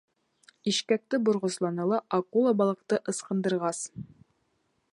Ишкәкте борғосланы ла, акула балыҡты ыскындырғас: